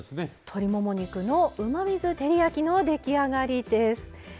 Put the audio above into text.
「鶏もも肉のうまみ酢照り焼き」の出来上がりです。